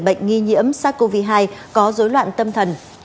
bệnh nghi nhiễm sars cov hai có dối loạn tâm thần